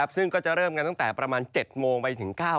ซึ่งก็จะเริ่มกันตั้งแต่๗โมงไป๑๙๐๐